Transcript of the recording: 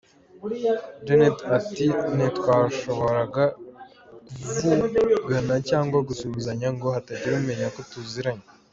Genet ati “Ntitwashoboraga kuvugana cyangwa gusuhuzanya ngo hatagira umenya ko tuzi ranye.